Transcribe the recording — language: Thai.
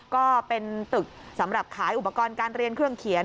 ก็เป็นตึกสำหรับขายอุปกรณ์การเรียนเครื่องเขียน